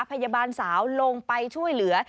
พยาบาลสาวลงไปช่วยเหลือ